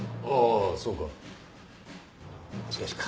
ああそうか。